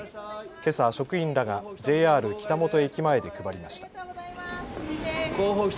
けさ職員らがＪＲ北本駅前で配りました。